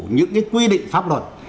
những cái quy định pháp luật